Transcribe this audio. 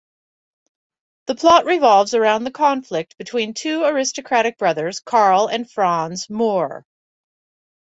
The plot revolves around the conflict between two aristocratic brothers, Karl and Franz Moor.